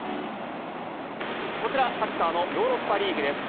こちら、サッカーのヨーロッパリーグです。